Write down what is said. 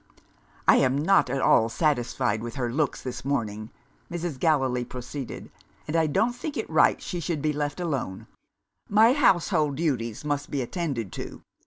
"I am not at all satisfied with her looks, this morning," Mrs. Gallilee proceeded; "and I don't think it right she should be left alone. My household duties must be attended to.